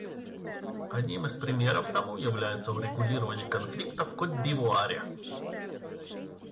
Одним из примеров тому является урегулирование конфликта в Котд'Ивуаре.